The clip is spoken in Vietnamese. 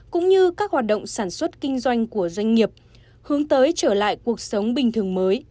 cũng như các hoạt động sản xuất kinh doanh của doanh nghiệp hướng tới trở lại cuộc sống bình thường mới